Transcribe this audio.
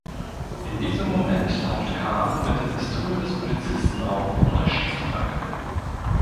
In diesem Moment taucht Carmen mit der Pistole des Polizisten auf und erschießt Frank.